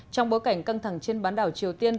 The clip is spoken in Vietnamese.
trong bối cảnh căng thẳng trên bán đảo triều tiên